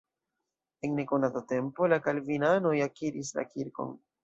En nekonata tempo la kalvinanoj akiris la kirkon.